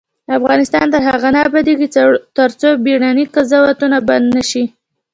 افغانستان تر هغو نه ابادیږي، ترڅو بیړني قضاوتونه بند نشي.